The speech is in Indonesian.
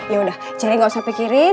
yaudah cari gak usah pikirin